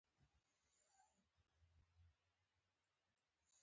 جانداد د پاک چاپېریال خوښوونکی دی.